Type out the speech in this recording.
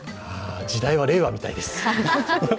時代は令和みたいです。